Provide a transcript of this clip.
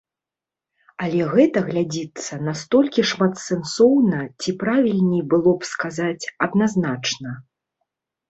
Але гэта глядзіцца настолькі шматсэнсоўна ці, правільней было б сказаць, адназначна.